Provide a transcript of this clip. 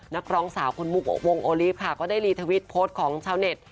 นักร้องสาวคุณมุกวงโอลีฟค่ะก็ได้รีทวิตโพสต์ของชาวเน็ต